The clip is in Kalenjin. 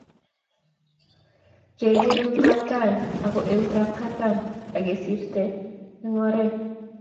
kegeer eitab tai ago eutab katam akisirte eng oret